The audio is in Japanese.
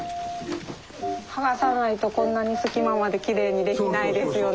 剥がさないとこんなに隙間まできれいにできないですよね。